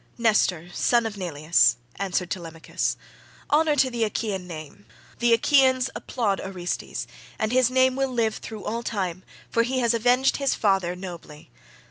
"Nestor son of Neleus," answered Telemachus, "honour to the Achaean name, the Achaeans applaud Orestes and his name will live through all time for he has avenged his father nobly.